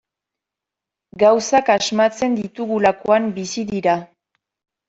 Gauzak asmatzen ditugulakoan bizi dira.